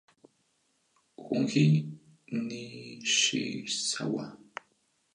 Junji Nishizawa